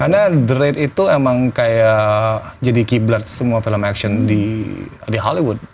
karena the rate itu emang kayak jadi key blood semua film action di hollywood